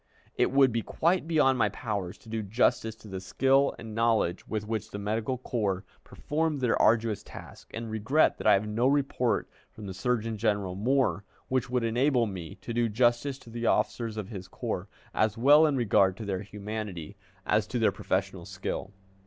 It would be quite beyond my power to do justice to the skill and knowledge with which the medical corps performed their arduous task, and regret that I have no report from the Surgeon General, Moore, which would enable me to do justice to the officers of his corps, as well in regard to their humanity as to their professional skill.